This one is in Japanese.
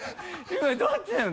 今どっちなの？